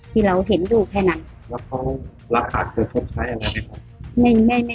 ที่เราเห็นถูกแค่นั้นแล้วเขารักหาชูชุดใช้อะไร